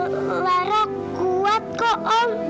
lara kuat kok om